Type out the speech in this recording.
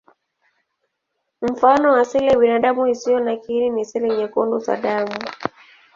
Mfano wa seli ya binadamu isiyo na kiini ni seli nyekundu za damu.